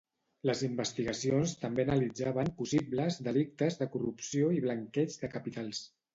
Les investigacions també analitzaven possibles delictes de corrupció i blanqueig de capitals.